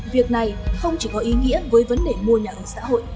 việc này không chỉ có ý nghĩa với vấn đề mua nhà ở xã hội